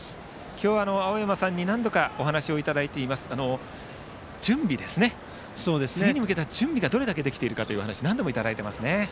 今日、青山さんに何度かお話をいただいていますが次に向けた準備がどれだけできているかというお話を何度もいただいています。